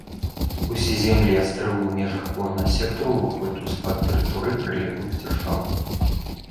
Усе землі і астравы ў межах кожнага сектара ўваходзяць у склад тэрыторый прылеглых дзяржаў.